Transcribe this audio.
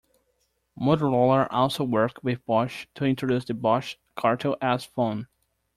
Motorola also worked with Bosch to introduce the "Bosch Cartel S" phone.